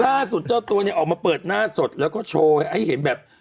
เจ้าตัวเนี่ยออกมาเปิดหน้าสดแล้วก็โชว์ให้เห็นแบบ